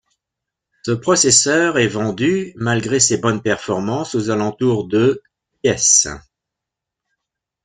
Ce processeur est vendu malgré ses bonnes performances aux alentours de pièce.